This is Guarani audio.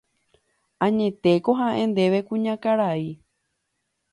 Añetetéko ha'e ndéve kuñakarai